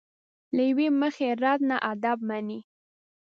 له یوې مخې رد نه ادب مني.